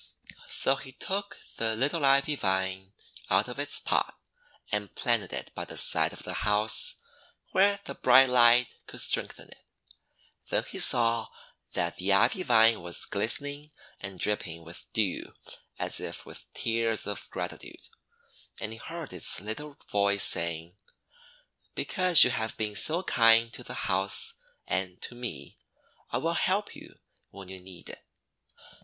So he took the little Ivy vine out of its pot, and planted it by the side of the House where the bright light could strengthen it. Then he saw that the Ivy vine was glisten ing and dripping with dew as if with tears of gratitude; and he heard its little voice say: — "Because you have been so kind to the House and to me, I will help you when you need it."